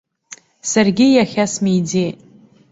Саргьы иахьа смиӡеит.